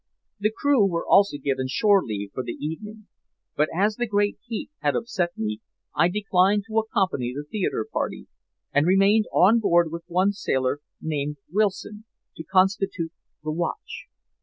The crew were also given shore leave for the evening, but as the great heat had upset me I declined to accompany the theater party, and remained on board with one sailor named Wilson to constitute the watch.